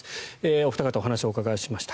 お二方、お話を伺いました。